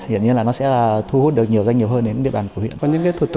hiện như là nó sẽ thu hút được nhiều doanh nghiệp hơn đến địa bàn của huyện